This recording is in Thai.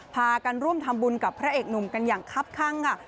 พากันร่วมทำบุญกับพระเอกหนุ่มกันอย่างคับข้างค่ะ